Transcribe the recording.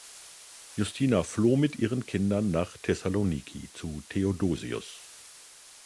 Justina floh mit ihren Kindern nach Thessaloniki zu Theodosius.